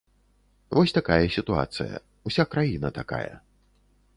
Вось такая сітуацыя, уся краіна такая.